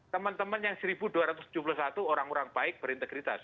teman teman yang satu dua ratus tujuh puluh satu orang orang baik berintegritas